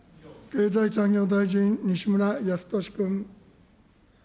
経済産業大臣、西村康稔君。